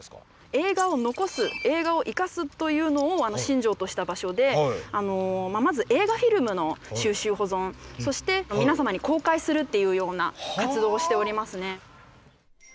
「映画を残す、映画を活かす。」というのを信条とした場所でまず映画フィルムの収集・保存そして皆様に公開するっていうような活動をしておりますね。